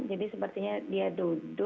jadi sepertinya dia duduk